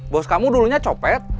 bos kamu dulunya copet